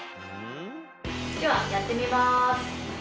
ではやってみまーす。